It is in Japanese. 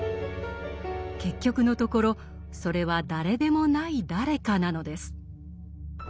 結局のところそれは誰でもない誰かなのです。